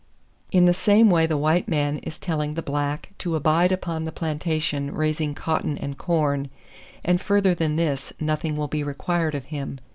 In the same way the white man is telling the black to abide upon the plantation raising cotton and corn, and further than this nothing will be required of him.